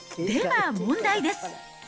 では問題です。